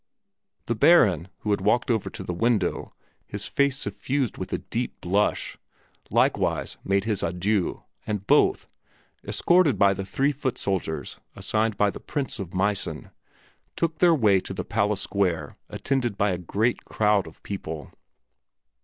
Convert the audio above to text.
The Baron, who had walked over to the window, his face suffused with a deep blush, likewise made his adieux, and both, escorted by the three foot soldiers assigned by the Prince of Meissen, took their way to the Palace square attended by a great crowd of people.